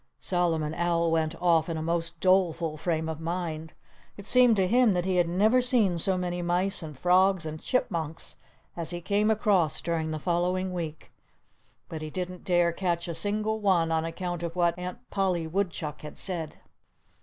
Solomon Owl went off in a most doleful frame of mind. It seemed to him that he had never seen so many mice and frogs and chipmunks as he came across during the following week. But he didn't dare catch a single one, on account of what Aunt Polly Woodchuck had said.